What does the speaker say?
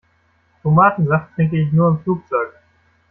Tomatensaft trinke ich nur im Flugzeug.